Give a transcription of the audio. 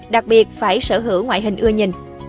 đặc biệt phải sở hữu ngoại hình ưa nhìn